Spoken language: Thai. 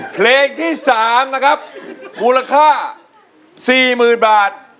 เพลงที่สามนะครับมูลค่าสี่หมื่นบาท